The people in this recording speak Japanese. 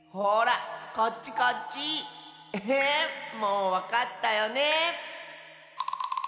もうわかったよね？